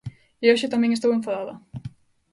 E hoxe tamén estou enfadada.